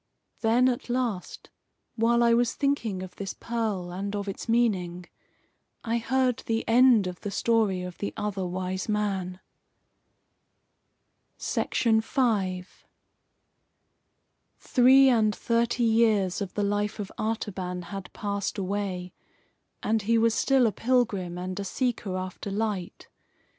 Then, at last, while I was thinking of this pearl, and of its meaning, I heard the end of the story of the Other Wise Man. V Three and thirty years of the life of Artaban had passed away, and he was still a pilgrim and a seeker after light.